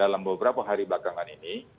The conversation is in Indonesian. dalam beberapa hari belakangan ini